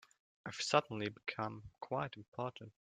I've suddenly become quite important.